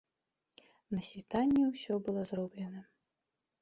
На світанні ўсё было зроблена.